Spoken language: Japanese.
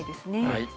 はい。